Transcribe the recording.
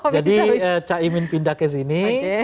jadi caimin pindah ke sini